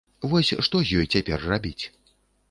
Вось што з ёй цяпер рабіць?